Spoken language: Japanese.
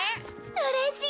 うれしい！